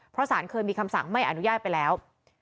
เพราะสารเคยมีคำสั่งไม่อนุญาตไปแล้ว